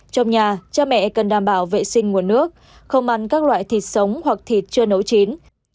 trong nhà cha mẹ cần đảm bảo vệ sinh nguồn nước không ăn các loại thịt sống hoặc thịt chưa nấu chín